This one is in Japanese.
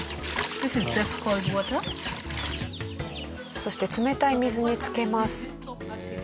そして冷たい水につけます。